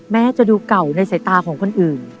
แม้จะดูเก่าในสายตาของคนอื่น